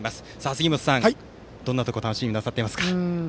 杉本さん、どんなところを楽しみになさっていますか。